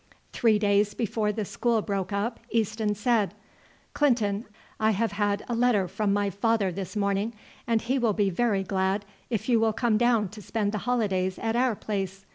Three days before the school broke up Easton said: "Clinton, I have had a letter from my father this morning, and he will be very glad if you will come down to spend the holidays at our place.